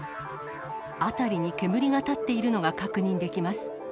辺りに煙が立っているのが確認できます。